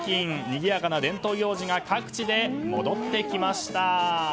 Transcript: にぎやかな伝統行事で各地で戻ってきました。